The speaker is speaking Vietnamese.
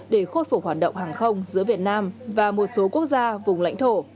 để khôi phục hoạt động hàng không giữa việt nam và một số quốc gia vùng lãnh thổ